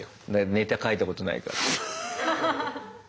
ネタ書いたことないから。